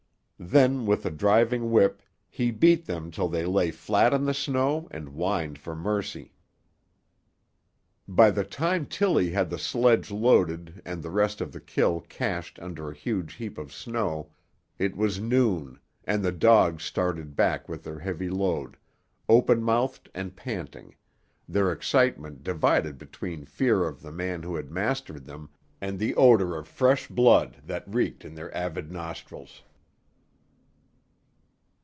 Then with the driving whip he beat them till they lay flat in the snow and whined for mercy. By the time Tillie had the sledge loaded and the rest of the kill cached under a huge heap of snow, it was noon, and the dogs started back with their heavy load, open mouthed and panting, their excitement divided between fear of the man who had mastered them and the odour of fresh blood that reeked in their avid nostrils.